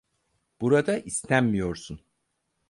Burada istenmiyorsun.